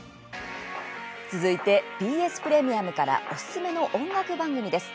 続いて、ＢＳプレミアムからおすすめの音楽番組です。